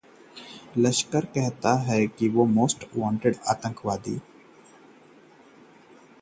लश्कर का most wanted आतंकवादी गिरफ्तार